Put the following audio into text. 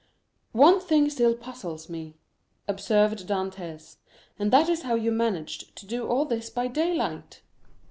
"One thing still puzzles me," observed Dantès, "and that is how you managed to do all this by daylight?"